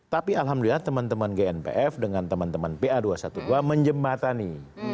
tapi alhamdulillah teman teman gnpf dengan teman teman pa dua ratus dua belas menjembatani